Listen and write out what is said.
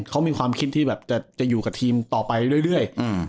เขามีความคิดที่แบบจะอยู่กับทีมต่อไปเรื่อย